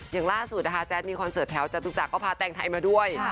อย่างล่าสุดนะคะแจ๊ดมีคอนเสิร์ตแถวจตุจักรก็พาแตงไทยมาด้วย